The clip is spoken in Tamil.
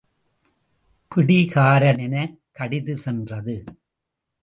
பிடி காரெனக் கடிது சென்றது.